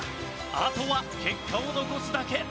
あとは結果を残すだけ。